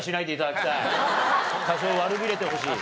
多少悪びれてほしい。